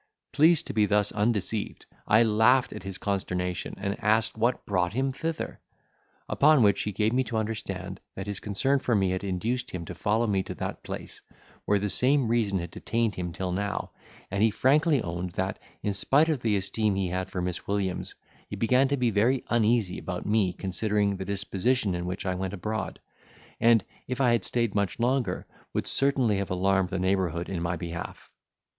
Pleased to be thus undeceived, I laughed at his consternation, and asked what brought him thither? Upon which he gave me to understand, that his concern for me had induced him to follow me to that place, where the same reason had detained him till now, and he frankly owned, that, in spite of the esteem he had for Miss Williams he began to be very uneasy about me, considering the disposition in which I went abroad; and, if I had stayed much longer, would certainly have alarmed the neighbourhood in my behalf.